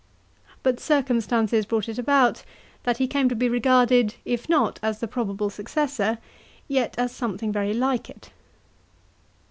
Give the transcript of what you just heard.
But cir cumstances brought it about that he came to be regarded, if not as the probable successor, yet as something very like it.